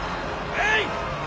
えい！